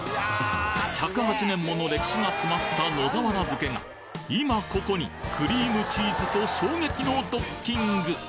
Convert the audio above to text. １０８年もの歴史が詰まった野沢菜漬が今ここにクリームチーズと衝撃のドッキング！